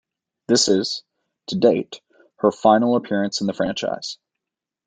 This is, to date, her final appearance in the franchise.